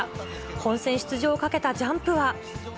本戦出場をかけたジャンプは。